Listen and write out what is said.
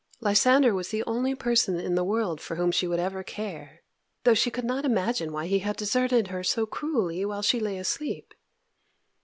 Lysander was the only person in the world for whom she would ever care, though she could not imagine why he had deserted her so cruelly while she lay asleep.